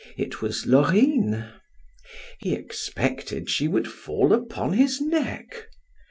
It was Laurine. He expected she would fall upon his neck.